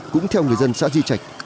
cũng theo người dân xã di trạch